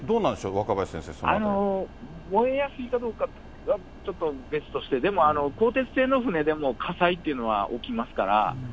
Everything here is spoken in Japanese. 若林先生、燃えやすいかどうかはちょっと別として、でも、鋼鉄製の船でも火災っていうのは起きますから。